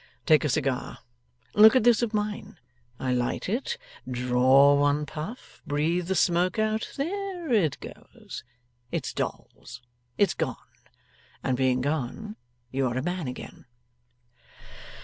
Take a cigar. Look at this of mine. I light it draw one puff breathe the smoke out there it goes it's Dolls! it's gone and being gone you are a man again.